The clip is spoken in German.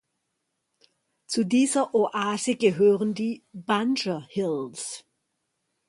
Zu dieser Oase gehören die Bunger Hills.